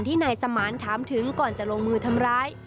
นายสมานถามถึงก่อนจะลงมือทำร้าย